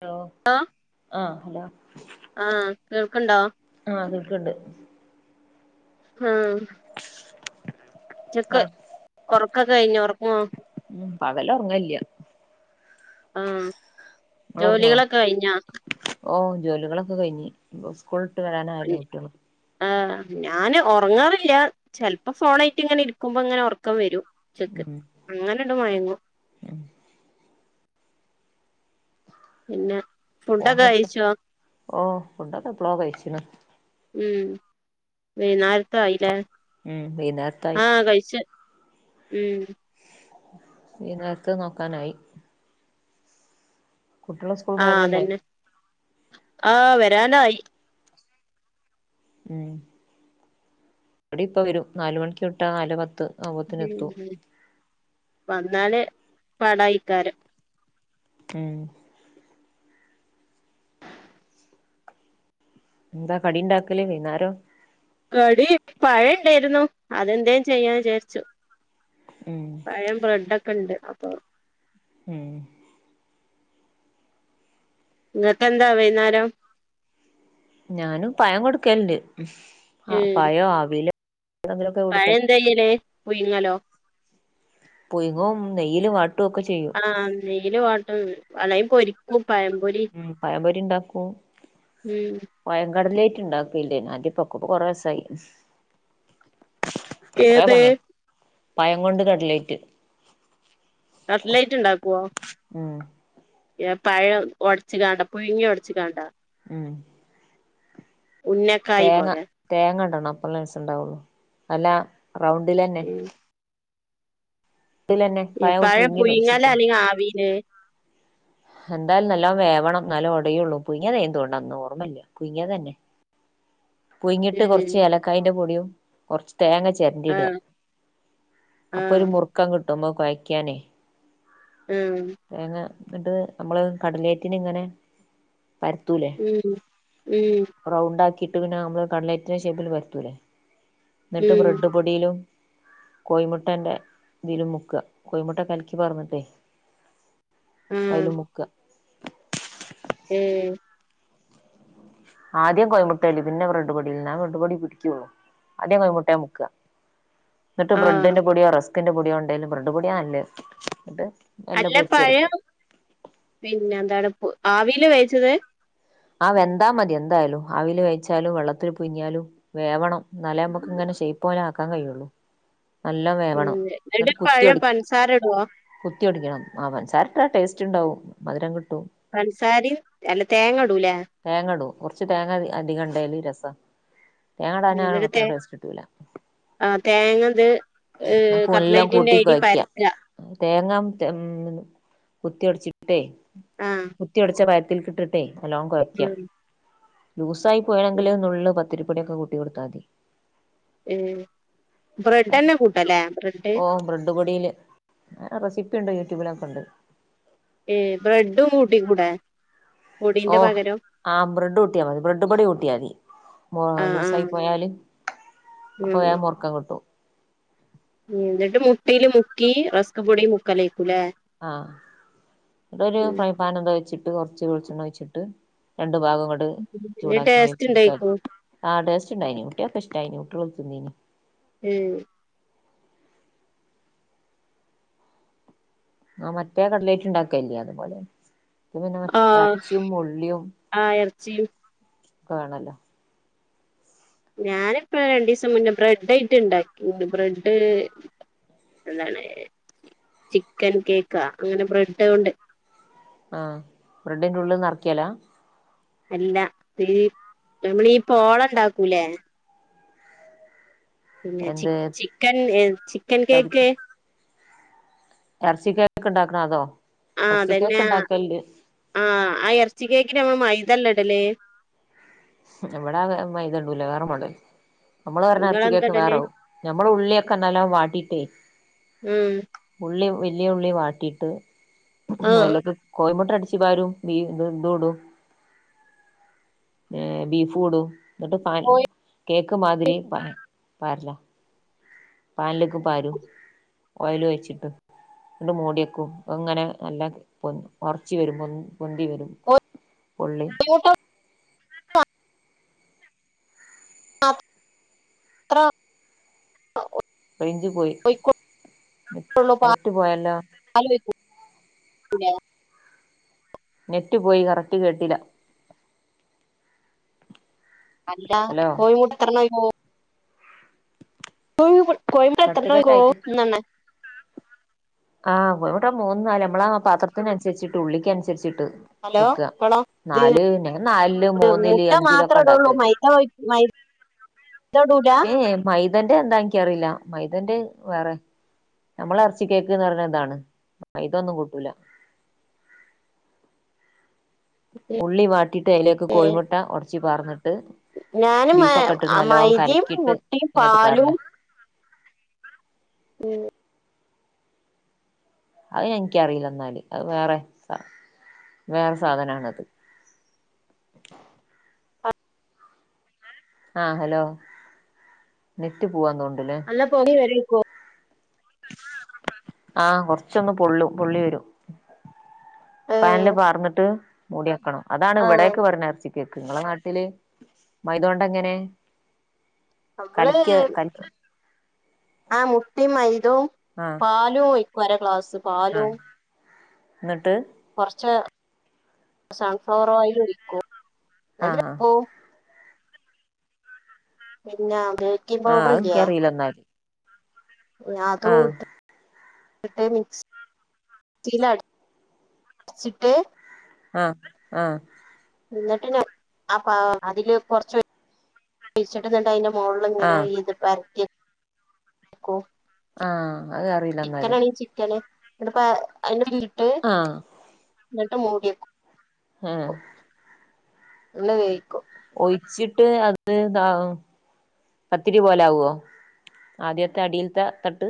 Hello ആഹ് hello ആഹ് കേൾക്ണ്ടോ ആഹ് അതൊക്കെുണ്ട് ആഹ് ചക്ക് ഉറക്കൊക്കെ കഴിഞ്ഞ ഉറങ്ങോ പകല് ഉറങ്ങല്ല്ല്യ ആഹ് നിങ്ങൾ ഉറങ്ങോ ജോലികളൊക്കെ കഴിഞ്ഞോ ഓ ജോലികളൊക്കെ കഴിഞ്ഞ് സ്കൂൾ വരാന് അയല്ലോ കുട്ടിള് ആഹ് ഞാന് ഉറങ്ങാറില്ല ചിലപ്പോ ഫോണായിട്ട് ഇങ്ങനെ ഇരിക്കുമ്പോ ഇങ്ങനെ ഉറക്കം വരും. ചെക്ക് ഉം അങ്ങനെട് മയങ്ങു പിന്നെ ഫുഡൊക്കെ ഫോണടുത്ത് കഴിച്ചോ ഓ ഫുഡ് എപ്പ്ളോ കഴിച്ചിണ് ഉം വൈന്നേരത്ത ആയില്ലേ ഉം വൈന്നേരത്തായി ആഹ കഴിച്ച് എഹ് വൈകുന്നേരത്തെ നോക്കാനായി. കുട്ടികള് സ്കൂൾ ആഹ പോയതല്ലേ അതന്നെ ആഹ വരാനായി ഉം എവിടെ ഇപ്പ വരും നാല് മണിക്ക് വിട്ട നാല് പത്ത്. ആവുമ്പോത്തിന് എത്തും ഉ വന്നാല് പടായിക്കാരം. ഉം [inaudible] എന്താ കടി ഉണ്ടാക്കല് വൈന്നാരം. കടി പഴം ഉണ്ടായിരുന്നു അതെന്തേ ചെയ്യാന്ന് വിചാരിച്ചു. ഉം പഴയം ബ്രെഡ് ഒക്കെ ഉണ്ട് അപ്പൊ. ഉം ഇങ്ങൾക് എന്താ വൈന്നേരം. ഞാനും പഴം കൊടുക്കലുണ്ട്. ഉം പഴം അവിയലിലും. ക്കെ കൊടുക്കല്. എന്തായ്യല് പുഴുങ്ങലോ. പുയ്ങ്ങും നെയ്യില് വാട്ടും. ഒക്കെ ചെയ്യും ആഹ നെയ്യ്ല് വാട്ടും അല്ലങ്കി പൊരിക്കും പഴംപൊരി. മ് പഴം പൊരിണ്ടാക്കു. ഉം പയം കട്ലറ്റ് ഇണ്ടാക്കില്ലേനോ അത്പ്പോ കൊ കൊറസായി. കൊറേ ഏത് പണിയ പഴം കൊണ്ട് കട്ട്ലേറ്റ്. കട്ലൈറ്റ് ഉണ്ടാക്കുവോ. ഉ മ് ഏ പഴം ഒട്ച്ച് കാണ്ടാ പുയ്ങ്ങിഓടച്ച് കണ്ടോ. ഉ മ് ഉന്നക്കായി തേങ്ങ പോലെ തേങ്ങടണം അപ്പളേ രസണ്ടാവൊള്ളൂ അല്ലാ റൗണ്ടിൽന്നെ. ഉം ഇ പഴം പുഴുങ്ങി പുയ്ങ്ങലാ പൊടിച്ചിട്ട് അല്ലെങ്കിൽ ആവില്. എന്തായലും നല്ലോണം വേവണം ഇന്നാലേ ഒടയുള്ളൂ പുയ്ങ്ങ്യതെനെന്ന്ണ്ടന്ന് ഓർമ്മല്യ പുയങ്ങ്യതന്നെ. പുയ്ങ്ങിട്ട് ഉം കൊർച്ച് ഏലക്കായിന്റെപൊടിയും കുറച്ച് തേങ്ങചെ ചര്ന്റിട ആഹ് അപ്പൊരു ആഹ് മുർക്കംകിട്ടുമ്പോ കോയക്ക്യാനെ. ഉം തേങ്ങ ന്നട്ട് നമ്മള് കടലേറ്റിൻങ്ങനെ. പരത്തൂലേ. ഉം ഉം റൗണ്ടാക്കിട്ട് പിന്ന മ്മള് കട്ലൈറ്റിന്റെ ഷേപ്പിൽ പരുത്തൂലെ എന്നിട്ട് ഉം ബ്രഡ് പൊടിയിലും കോഴിമുട്ടൻ്റെതിലും മുക്ക കോഴിമുട്ട കലക്കി പാർന്ന്ട്ടെ. അയിൽ ആഹ് മുക്ക. ഉം ആദ്യം കോഴിമുട്ടേൽ പിന്നെ ബ്രെഡ്‌ പൊടിൽ ഇന്ന ബ്രെഡ് പൊടി പിടിക്ക്യള്ളൂ. ആദ്യം കോഴിമുട്ടെ മുക്ക. ന്നട്ട് ആഹ് ബ്രെഡ്ന്റെ പൊടിയോ റസ്ക്ന്റെ പൊടിയോണ്ടെലും ബ്രെഡ് പൊടിയാ നല്ലത് ന്നിട്ട് അല്ല പഴം പിന്നന്താണ് ആവിൽ വേവിച്ചത്. ആ വെന്താ മതി എന്തയലും ആവിൽ വേവിച്ചാലും വെള്ളത്തിൽ പുയിങ്ങ്യാലും. വേവണം ന്നാലെമ്മക്ക്ങ്ങനെ ഷൈപോലെ ആക്കാൻ കഴിയള്ളൂ. നല്ലം ഉം വേവണം ന്നട്ട് എന്നിട്ട് കുത്തി പഴം ഒടി പൻസാര ഇടുവോ കുത്തി ഒടിങ്ങണം. അ പൻസാരട്ടാ ടെസ്റ്റുണ്ടാവും മധുരം കിട്ടും. പൻസാരിം അല്ല തേങ്ങടും ലേ. തേങ്ങടും കൊർച്ച് തേങ്ങ അധി അധിക ണ്ടേല് രസാ തേങ്ങടാഞ്ഞ അത്ര ടേസ്റ്റ്ട്ടൂല. ആഹ് തേങ്ങത് നമുക്ക് എല്ലാം കൂട്ടി കട്ട്ലൈറ്റിന്റെയ്രി കൊഴയ്ക്ക പര്ക്ക തേങ്ങ ഉം കുത്തി ഒട്ച്ചിട്ടേ. ആഹ് കുത്തി ഒടച്ച പയത്തിൽക്ക്ട്ട്ട്ടെ നല്ലോം കൊയ്‌ക്ക്യാ ലൂസായി പോയിണെങ്കില് നുള്ള് പത്തിരിപ്പൊടിയൊക്കെ കൂട്ടികൊടുത്താതി. ഉം ബ്രെഡന്നെ കുട്ടലെ ബ്രെഡ്. ഓഹ് ബ്രഡ് പൊടില് ആ റെസിപ്പിണ്ട് യൂട്യൂബിലൊക്കെണ്ട്. ഏഹ് ബ്രെഡും മൂട്ടി കൂടെ. ഓഹ് ആഹ് ബ്രഡ് കൂട്ടിയാ മതി. ബ്രഡ് പൊടി കൂട്ടിയാതി. മോ ആഹ് ലൂസായി ആഹ് പോയാല് അപ്പൊ ഉം വേം മൊർക്കം കിട്ടും. ഉം ന്നട്ട് മുട്ടീല് മുക്കി റസ് ക്ക് പൊടീ മുക്കലെയ്ക്കുലേ ഉം. [unintelligible] കൊർച്ച് വെൾച്ചെണ്ണ ഒഴിച്ട്ട് രണ്ട് ഭാഗങ്ങ ഇഞ്ഞ്‌ ടേസ്റ്റ്ണ്ടേക്കും ആഹ് ടേസ്റ്റ്ണ്ടായിനി കുട്ട്യോക്കെ ഷ്ടായിനി കുട്ട്യള് തിന്നീനി. ഉം ആ മറ്റേ കട്ലയിറ്റ്ണ്ടാക്കല്യ അതുപോലെന്നെ പ്പ പിന്നെ ആഹ് എർച്ചിം ഉള്ളിയും. ആഹ് എർച്ചിം ക്കാണല്ലോ. ഞാനിപ്പ രണ്ടീസം മുന്നേ ബ്രഡായിട്ട് ഇണ്ടാക്കി ബ്രെഡ്. എന്താണ് ചിക്കൻ കേക്കാ അങ്ങനെ ബ്രെഡോണ്ട് ആഹ് ബ്രെഡിൻ്റെ ഉള്ള് നർക്കിയലാ അല്ല ഈ നമ്മളീ പോള ഇണ്ടാക്കൂലേ പിന്നെ ചി എന്ത് ചിക്കൻ ഏ ചിക്കൻ കേക്ക് എർച്ചി കേക്ക് ഇണ്ടാക്കണ അതോ ആഹ് ഇറച്ചി കേക്ക് അതന്നെ ഉണ്ടാക്കലിണ്ട് ആഹ് ആ എർച്ചി കേക്കിന് മ്മള് മൈദല്ല ഇടല് ഇവിടങ്ങ മൈദ ഇടൂല വേറെ മോഡൽ നമ്മള് പർഞ്ഞ എർച്ചി നിങ്ങളെന്താ കേക്ക് ഇടല് വേറെ ഞമ്മള് ഉള്ളിയൊക്കെ നല്ലോം വാട്ടീട്ടേ ഉം ഉള്ളി വല്യ ഉള്ളി വാട്ടിയിട്ട് ആ അയ്ലേക്ക് കോയ്മുട്ട അട്ച്ച് പാരും ഇ ഇത് ഇടും ഏഹ് ബീഫുടും. ന്നിട്ട് പാ കോഴി കേക്ക് മാതിരി പാ പാര്ല്ല പാൻലേക്ക് പാരും ഓയ്ല് ഒഴിച്ചിട്ട് ണ്ട് മൂടിയെക്കും. അങ്ങനെ നല്ല പൊ ഒർച്ച് വരും പൊന് പൊന്തി വരും പൊള്ളി [unintelligible] അത്ര റെയ്ഞ്ച് പോയി ഒഴിക്കുള്ളൂ നെറ്റ് പോയല്ലോ [inaudible] നെറ്റ് പോയി കറക്റ്റ് കേട്ടില്ല അല്ലാ ഹലോ കോഴിമുട്ട എത്രണ്ണം അയ് പോവും കട്ട് കട്ടായിട്ട് [unintelligible] ആഹ് കോഴിമുട്ട മൂന്ന് നാല് നമ്മള ആ പാത്രത്തിനൻസര്ച്ചിട്ട് ഉള്ളിക്ക് അൻസര്ച്ചിട്ട് ഹലോ വെക്കുക. ഇപ്പളോ ഇത് നമ്മൾ നാലില്, മൂന്നില് മുട്ട അഞ്ചിലൊക്കെ മാത്രം ഉണ്ടാക്കണ്ട്. [unintelligible] ഇടൂല ഏ മൈദന്റെ എന്താ എനിക്കറിയില്ല. മൈദന്റെ വേറെ നമ്മള് ഇറച്ചി കേക്ക് ന്ന് പറഞ്ഞ ഇതാണ്. മൈദ ഒന്നും കൂട്ടൂല. ഉള്ളി വാട്ടിട്ട്, അതിലേക്ക് കോഴിമുട്ട ഉടച്ചു പാർന്നിട്ട് ഞാന് മൈ ബീഫൊക്കെ ഇട്ടിട്ട് നല്ലോ മൈദയും കലക്കിയിട്ട് മുട്ടയും അങ്ങോട്ട് പാലും പാരലാ. ഉം. അത് എനിക്കറിയില്ല എന്നാല്. അത് വേറെ വേറെ സാധനണത്. ആ ഹലോ നെറ്റ് പോവാ തോന്നണ്ടല്ലേ? നല്ലോം പൊങ്ങി വരേയ്ക്കും? ആഹ കൊറച്ചൊന്ന് പൊള്ളും പൊള്ളി വരും. ഏ, പാനില് പാർന്നിട്ട് മൂടി വെക്കണം. അതാണ് ആ ഇവിടേക്ക് പറിനെ ഇറച്ചികേ ക്ക് ഇങ്ങളെ നാട്ടില് മൈദണ്ട് എങ്ങനെ? നമ്മള് കലക്കി കലക്കി ആ മുട്ടിം മൈതിം ആഹ പാലും ഒഴിക്കും അര ഗ്ലാസ്. ആഹ എന്നിട്ട്. കുറച്ച് സൺഫ്ലോർ ഓയിൽ ഒഴിക്കും. ആഹ് [unintelligible] പിന്നെ [unintelligible] ആഹ് ഇക്ക് ഇല്ലേ അറിയില്ല എന്നാല്. ആഹ് [unintelligible] [inaudible] മിക്സിയിൽ അടിച്ചിട്ട് ആഹ ആഹ. എന്നിട്ട് അതില് കുറച്ച് ഒഴിച്ചിട്ട് എന്നിട്ട് അതിന്റെ മുകളിൽ ഇങ്ങനെ ആഹ് ഇത് പരത്തി വെക്കും. ആഹ അത് അറിയില്ല. എന്നാല് ചിക്കനണങ്കി ചിക്കന്, ന്നട്ട്പ്പൊ അയിൻ്റെ ലി ആ. ന്ന്ട്ട് മൂടിവെക്കും. ഏഹ്. ഒന്ന് വേവിക്കും. ഒഴിച്ചിട്ട് അത്‌താവും. പത്തിരി പോലെ ആവോ? ആദ്യത്തെ അടീല്ത്തെ തട്ട്.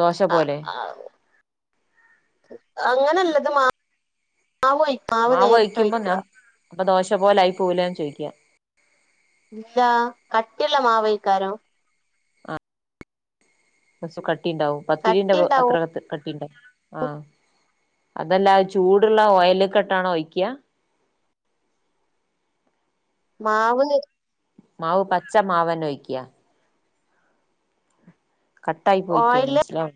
ദോശ ആഹ് പോലെ ആഹ് അങ്ങനല്ലത് മാ മാവ് മാവ് മാവ നേരിട്ട് കൊയ്ക്കുമ്പോ ഒഴിക്കുക ഞാൻ അപ്പൊ ദോശ പോലായി പോകൂലേന്ന് ചോയ്ക്ക. ഇല്ല കട്ടിള്ള മാവെക്കാരം. ആഹ് കട്ടിണ്ടാവും പത്തിരി പൊ കട്ടിണ്ടാവും അത്രകത്ത് കട്ടിണ്ടാവും. ആഹ് അതല്ലാ ചൂടുള്ള ഓയലേക്കെട്ടാണോ ഒഴിക്ക. മാവ്ന മാവ് പച്ച മാവന്നെ ഒയിക്ക. കട്ടായി പോയിട്ട് ഓയില് മനസ്സിലാവ്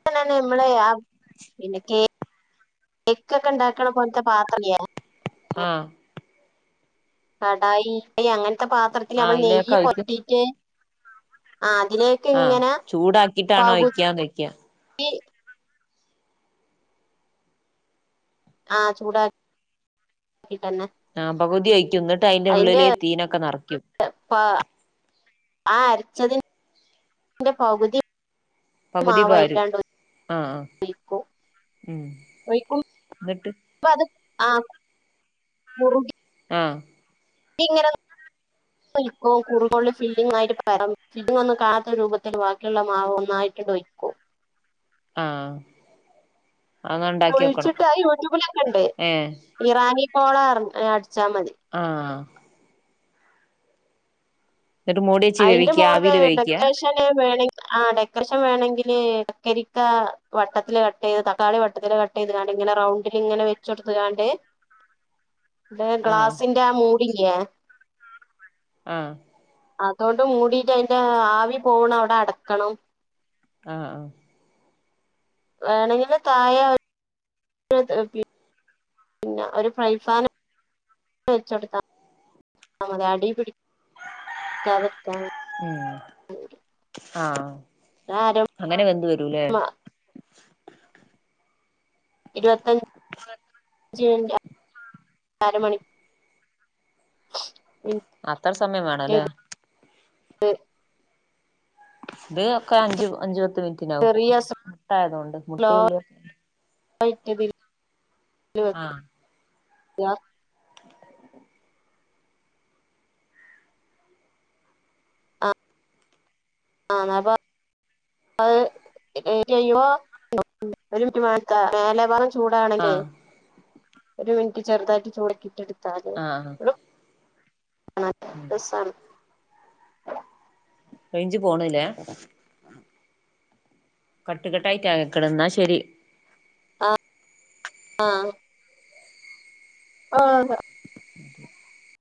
[inaudible] കേക്കൊക്കെ ഉണ്ടാക്ക്ണ പോൽത്തെ പാത്രല്ലേ. ആഹ്. കടായി അങ്ങനത്തെ പാത്രത്തിൽ, ആഹ് നമ്മൾ നെയ്യ് അയിലേക്കാ ഒഴിക്ക പൊരറ്റീട്ട്. ആ അതിലേക്ക് ആഹ് ഇങ്ങനെ ചൂടാക്കിട്ടാണ് പകുതി ഒഴിക്കാന്ന് വെക്ക ആഹ് ചൂടാക്കിട്ടന്നെ. ആഹ് പകുതി ഒഴിക്കും എന്നിട്ട് അയിന്റെ ഉള്ളിൽ തീനൊക്കെ നെറക്കും. എ പാ ആ അരച്ചതിന്റെ പകുതി പകുതി പാരും. മാവായില്ലാണ്ട് ആഹ് ആഹ് ഒഴിക്കും മം എന്നിട്ട്. പ്പ അത് ആഹ് കുറുകി. ആഹ്. [inaudible] ഇങ്ങനെ [unintelligible] കുറുകോള്ള ഫില്ലിംങ് ആയിട്ട് പരണം. ഫില്ലിംങ്ങൊന്നും കാണാത്ത രൂപത്തിൽ ബാക്കിയുള്ള മാവ് ഒന്നായി. റ്റണ്ട് ഒഴിക്കും. ആഹ്. അതൊന്ന് ഉണ്ടാക്കി നോക്കണം ഒഴിച്ചിട്ട് അഹ് യൂട്യൂബിലൊക്കെണ്ട് ഏഹ് ഇറാനി പോള അടിച്ചാ മതി ആഹ് എന്നിട്ട് മൂടി വെച്ച് അതിന്റെ വേവിക്ക മോളില് ആവില് വേവിക്ക ഡെക്കറേഷൻ ഷൻ വേണങ്കി ആഹ് ഡെക്കറേഷൻ വേണെങ്കിൽ കക്കരിക്ക വട്ടത്തിൽ കട്ട് ചെയ്ത് തക്കാളി വട്ടത്തില് കട്ട്. ട്ട് ചെയ്ത്കാണ്ട് ഇങ്ങനെ റൗണ്ടിൽ ഇങ്ങനെ വെച് കൊട്ത്ത്കാണ്ട് ആഹ് ഗ്ലാസിന്റെ ആ മൂടില്ലേ? ആഹ് അതോണ്ട് മൂടീട്ട് അതിന്റെ ആവി പോവ്ണ അവ്ടെ അടക്കണം. ആഹ് ആഹ് വേണെങ്കിൽ താഴെ [inaudible] പിന്നെ ഒര് ഫ്രൈപാൻ വെച് കൊട്ത്താ. മതി അടീപിടിക്കാതെ നിക്കാൻ മം ആഹ് ആഹ് [unintelligible] അങ്ങനെ വെന്ത് വരൂലേ? ഇരുപത്തഞ്ച് അരമണി. അത്ര സമയം വേണല്ലേ. മിനിറ്റ് ഇത് ഒക്കെ അഞ്ച് അഞ്ച് പത്ത് മിനിറ്റ് ഉള്ളിയൊക്കെ [unintelligible] ആഹ് [unintelligible] ആ ആ ന്നാ പ്പ [unintelligible] ചൂടാവനണെങ്കിൽ ആഹ് ഒരു മിനിറ്റ് ചെറുതായിട്ട് ചൂടാക്കീട്ട് എടുത്താല് [unintelligible] മം സാ റേഞ്ച് പോവ്ണ്ലേ കട്ട് കട്ടായിട്ടാ കേക്ക്ണെ എന്നാ ശരി ആഹ് ആഹ് [unintelligible]